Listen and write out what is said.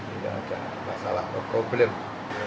ini tidak ada masalah tidak ada masalah